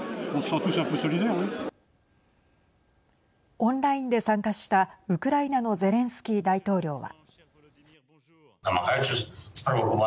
オンラインで参加したウクライナのゼレンスキー大統領は。